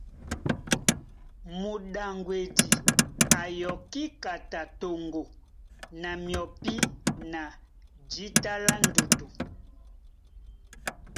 Mudaŋgwedi a yɔkí kata toŋgo na myɔpí na jíta lá ndutu.